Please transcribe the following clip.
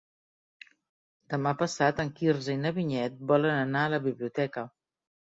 Demà passat en Quirze i na Vinyet volen anar a la biblioteca.